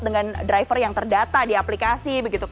dengan driver yang terdata di aplikasi